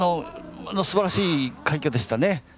すばらしい快挙でしたね。